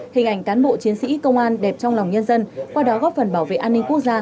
hình ảnh cán bộ chiến sĩ công an đẹp trong lòng nhân dân qua đó góp phần bảo vệ an ninh quốc gia